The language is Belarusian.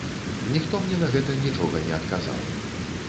Ніхто мне на гэта нічога не адказаў.